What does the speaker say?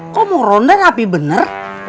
kok mau ronda tapi bener